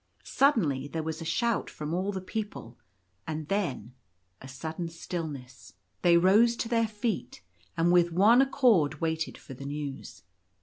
Suddenly there was a shout from all the people — and then a sudden stillness. They rose to their feet, and with one accord waited for the news.